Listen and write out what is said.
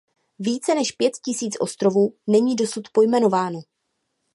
Více než pět tisíc ostrovů není dosud pojmenováno.